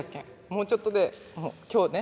もうちょっとで今日ね